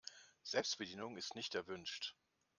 Selbstbedienung ist nicht erwünscht.